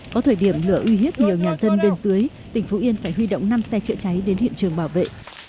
có thời điểm lửa uy hiếp nhiều nhà dân bên dưới tỉnh phú yên phải huy động năm xe chữa cháy đến hiện trường bảo vệ